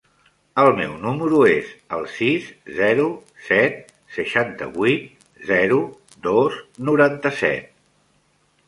El meu número es el sis, zero, set, seixanta-vuit, zero, dos, noranta-set.